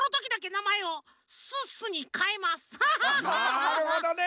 なるほどね！